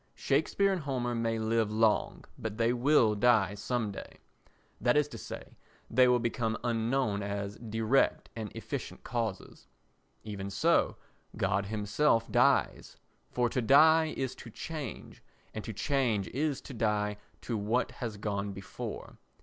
Shakespeare and Homer may live long, but they will die some day, that is to say, they will become unknown as direct and efficient causes. Even so God himself dies, for to die is to change and to change is to die to what has gone before.